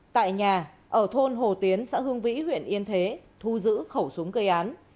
tại nhà ở thôn hồ tiến xã hương vĩ huyện yên thế thu giữ khẩu súng gây án